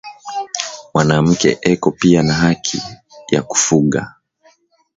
Mwanamke eko piya na haki ya ku fuga